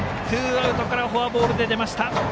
ツーアウトからフォアボールで出ました。